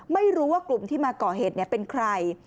ไม่รู้ว่ากลุ่มที่มาก่อเหตุเป็นใคร